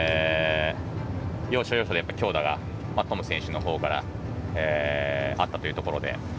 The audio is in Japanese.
要所要所で強打がトム選手のほうからあったということで